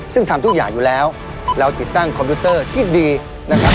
ซึ่งทำทุกอย่างอยู่แล้วเราติดตั้งคอมพิวเตอร์ที่ดีนะครับ